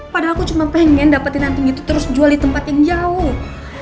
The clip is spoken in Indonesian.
padahal aku cuma pengen dapetin nanti gitu terus jual di tempat yang jauh